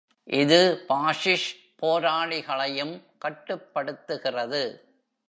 இது பாஸிஜ் போராளிகளையும் கட்டுப்படுத்துகிறது.